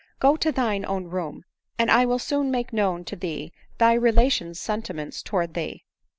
Go to 4hine own room, and I will soon make known to thee thy relation's sentiments towards thee."